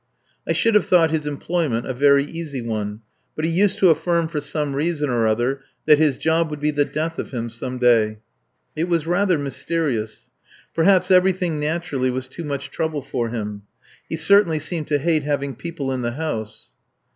I should have thought his employment a very easy one, but he used to affirm for some reason or other that his job would be the death of him some day. It was rather mysterious. Perhaps everything naturally was too much trouble for him. He certainly seemed to hate having people in the house.